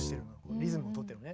リズムをとってるのね。